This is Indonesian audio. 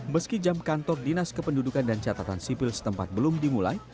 meski jam kantor dinas kependudukan dan catatan sipil setempat belum dimulai